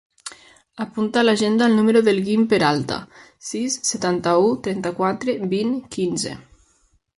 Apunta a l'agenda el número del Guim Peralta: sis, setanta-u, trenta-quatre, vint, quinze.